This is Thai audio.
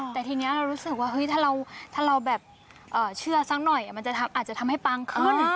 แต่ทีนี้เรารู้สึกว่าถ้าเราแบบเชื่อสักหน่อยมันอาจจะทำให้ปังขึ้น